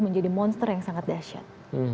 menjadi monster yang sangat dahsyat